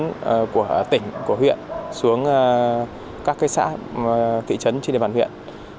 đề án của tỉnh của huyện xuống các cái xã thị trấn trên địa bàn huyện